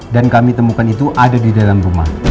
dan kami temukan itu ada di dalam rumah